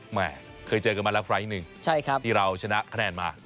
แหมเคยเจอกันมาละไฟล์ทหนึ่งที่เราเฉนะคะแนนมา